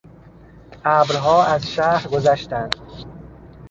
ابرها از شهر گذشتند.